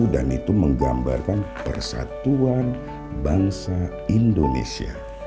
dan itu menggambarkan persatuan bangsa indonesia